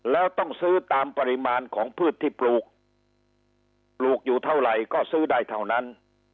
แล้วต้องซื้อตามปริมาณของพืชที่ปลูกปลูกอยู่เท่าไหร่ก็ซื้อได้เท่านั้น